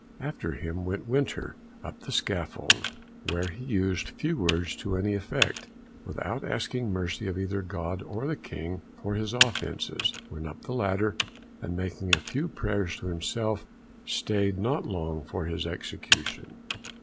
After him went Winter up the scaffold, where he used few words to any effect, without asking mercy of either God or the King for his offences; went up the ladder, and, making a few prayers to himself, staid not long for his execution.